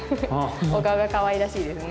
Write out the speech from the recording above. お顔がかわいらしいですね。